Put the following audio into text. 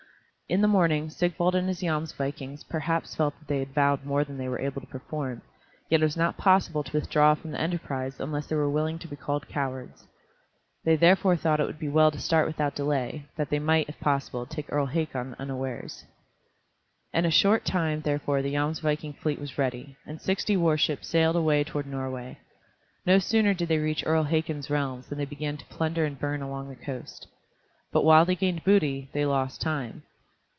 In the morning Sigvald and his Jomsvikings perhaps felt that they had vowed more than they were able to perform, yet it was not possible to withdraw from the enterprise unless they were willing to be called cowards. They therefore thought it would be well to start without delay, that they might, if possible, take Earl Hakon unawares. In a short time therefore the Jomsviking fleet was ready, and sixty warships sailed away toward Norway. No sooner did they reach Earl Hakon's realms than they began to plunder and burn along the coast. But while they gained booty, they lost time.